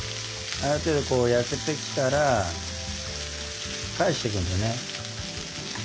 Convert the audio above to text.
ある程度こう焼けてきたら返していくんですよね。